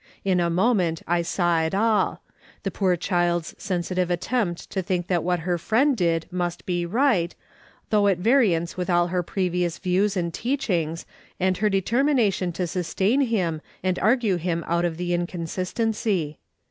In a moment I saw it all — the poor child's sensitive attempt to think that what her friend did must be right, though at variance with all her previous views and teachings, and her determination to sustain him, and argue him out of the inconsistency.